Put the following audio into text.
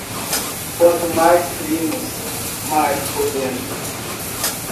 Quanto mais primos, mais por dentro.